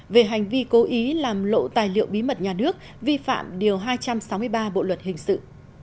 về hành vi cố ý làm lộ tài liệu bí mật nhà nước vi phạm điều hai trăm sáu mươi ba bộ luật hình sự